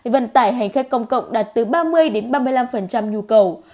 vận tải hành khắc công cộng đặt từ ba mươi đến ba mươi năm nhu cầu